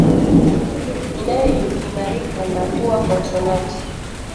inayoimarika na kuwa konsonanti